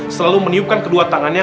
selalu meniupkan kedua tangannya